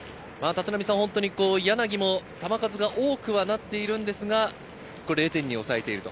柳も球数が多くはなっているんですが、０点に抑えている。